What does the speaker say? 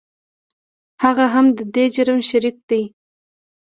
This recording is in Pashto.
هغه هم د دې جرم شریک دی .